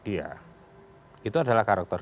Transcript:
dia itu adalah karakter